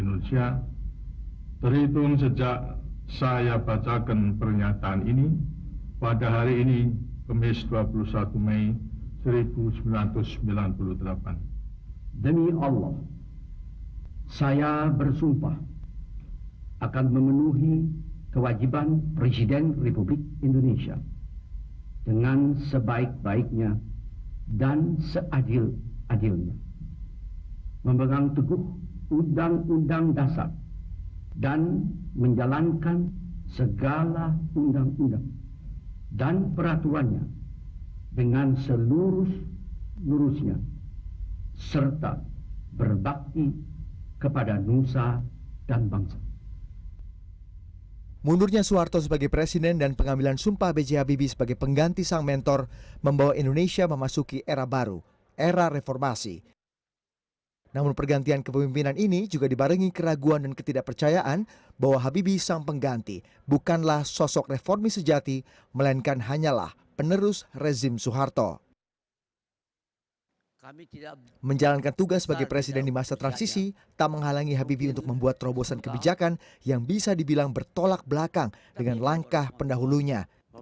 untuk membuat terobosan kebijakan yang bisa dibilang bertolak belakang dengan langkah pendahulunya